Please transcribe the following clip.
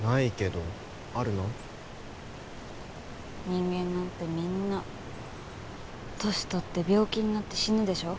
人間なんてみんな年取って病気になって死ぬでしょ？